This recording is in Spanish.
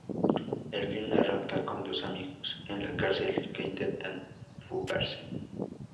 El film arranca con dos amigos en la cárcel, que intentan fugarse.